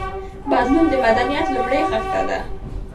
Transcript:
بدلون د مدنيت لومړۍ خښته ده.